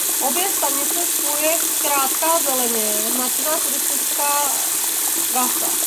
Obě stanice spojuje krátká zeleně značená turistická trasa.